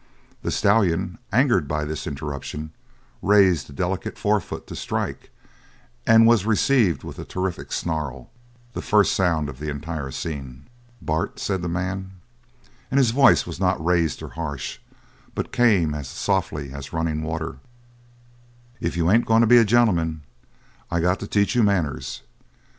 The stallion, angered by this interruption, raised a delicate forefoot to strike, and was received with a terrific snarl the first sound of the entire scene. "Bart," said the man, and his voice was not raised or harsh, but came as softly as running water, "if you ain't going to be a gentleman, I got to teach you manners.